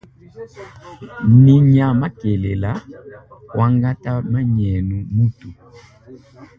Ndinya makelela kwangata mamienu mutu.